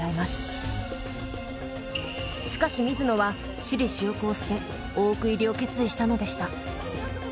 しかし水野は私利私欲を捨て大奥入りを決意したのでした。